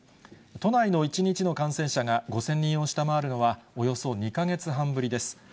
都内の１日の感染者が５０００人を下回るのは、およそ２か月半ぶりです。